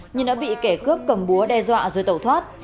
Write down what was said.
nhưng đã bị kẻ cướp cầm búa đe dọa rồi tẩu thoát